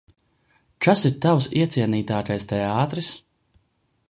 Kas ir tavs iecienītākais teātris?